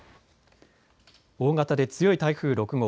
大型で強い台風６号。